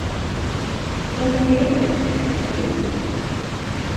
Doedd neb yn edrych ar y teledu.